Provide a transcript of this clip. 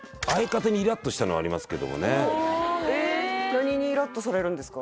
何にイラッとされるんですか？